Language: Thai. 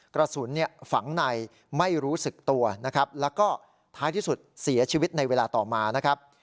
กระสุนฝังในไม่รู้สึกตัวนะครับแล้วก็ท้ายที่สุดเสียชีวิตในเวลาต่อมานะครับ